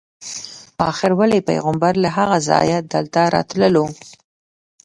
آخر ولې پیغمبر له هغه ځایه دلته راتللو.